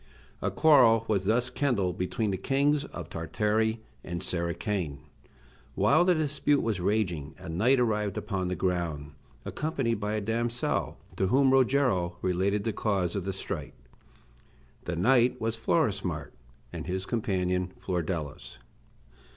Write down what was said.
A quarrel was thus kindled between the kings of Tartary and Sericane. While the dispute was raging a knight arrived upon the ground, accompanied by a damsel, to whom Rogero related the cause of the strife. The knight was Florismart, and his companion Flordelis.